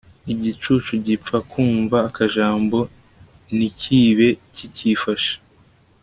igicucu gipfa kumva akajambo ntikibe kicyifashe